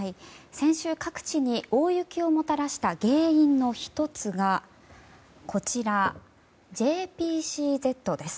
先週、各地に大雪をもたらした原因の１つがこちら、ＪＰＣＺです。